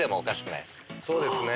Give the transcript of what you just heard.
そうですね。